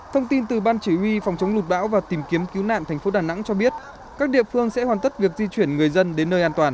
thông tin từ ban chỉ huy phòng chống lụt bão và tìm kiếm cứu nạn thành phố đà nẵng cho biết các địa phương sẽ hoàn tất việc di chuyển người dân đến nơi an toàn